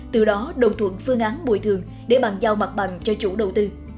từ đó đồng thuận phương án bồi thường để bàn giao mặt bằng cho chủ đầu tư